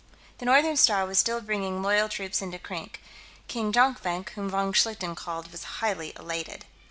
The Northern Star was still bringing loyal troops into Krink. King Jonkvank, whom von Schlichten called, was highly elated.